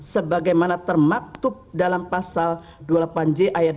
sebagaimana termaktub dalam pasal dua puluh delapan j ayat dua